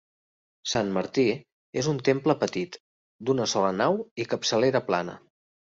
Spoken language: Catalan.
Sant Martí és un temple petit, d'una sola nau i capçalera plana.